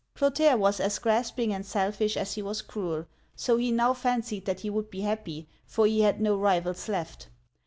Clotaire was as grasping and selfish as he was cruel, so he now fancied that he would be happy, for he had no rivals left.